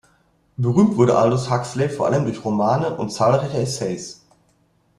Berühmt wurde Aldous Huxley vor allem durch Romane und zahlreiche Essays.